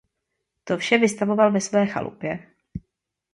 To vše vystavoval ve své chalupě.